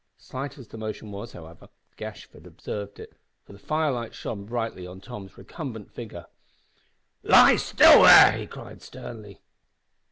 Slight as the motion was, however, Gashford observed it, for the fire light shone brightly on Tom's recumbent figure. "Lie still, there!" he cried, sternly.